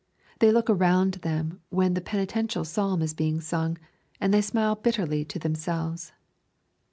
They look around them when the penitential psalm is being sung, and they smile bitterly to themselves.